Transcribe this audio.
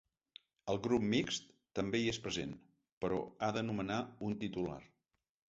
El grup mixt també hi és present, però ha de nomenar un titular.